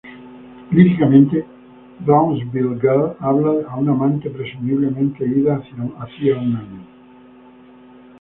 Líricamente, "Brownsville Girl" habla a una amante, presumiblemente ida hace un año.